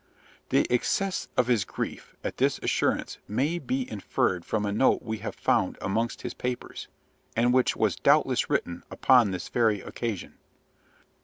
The excess of his grief at this assurance may be inferred from a note we have found amongst his papers, and which was doubtless written upon this very occasion.